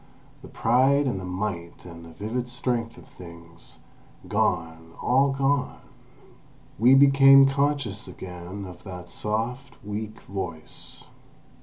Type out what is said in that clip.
The pride and the might and the vivid strength of things—gone, all gone! We became conscious again of that soft, weak voice.